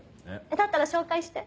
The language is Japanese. だったら紹介して。